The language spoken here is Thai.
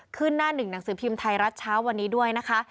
หน้าหนึ่งหนังสือพิมพ์ไทยรัฐเช้าวันนี้ด้วยนะคะ